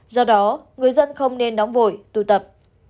do đó người dân không nên đóng vội tụ tập